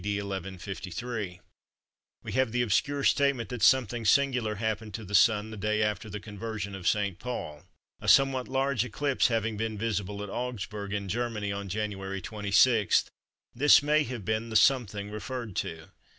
D. 1153. We have the obscure statement that "something singular happened to the Sun the day after the Conversion of St. Paul." A somewhat large eclipse having been visible at Augsburg in Germany, on January 26, this may have been the "something" referred to.